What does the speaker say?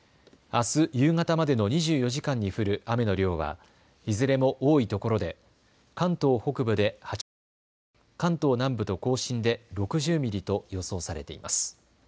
あす夕方までの２４時間に降る雨の量はいずれも多いところで関東北部で８０ミリ、関東南部と甲信で６０ミリと予想されています。